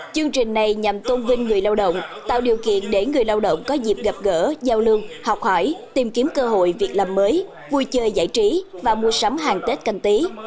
chương trình này nhằm tôn vinh người lao động tạo điều kiện để người lao động có dịp gặp gỡ giao lưu học hỏi tìm kiếm cơ hội việc làm mới vui chơi giải trí và mua sắm hàng tết canh tí